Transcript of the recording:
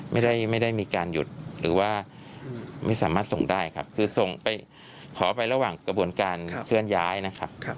ไม่ได้มีการหยุดหรือว่าไม่สามารถส่งได้ครับคือส่งไปขอไประหว่างกระบวนการเคลื่อนย้ายนะครับ